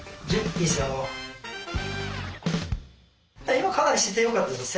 今かなり姿勢よかったですよ。